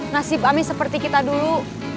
nasib ami seperti kita dulu